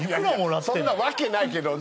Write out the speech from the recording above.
そんなわけないけどね。